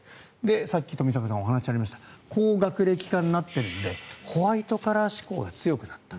さっき富坂さんからお話があった高学歴化になっているのでホワイトカラー志向が強くなった。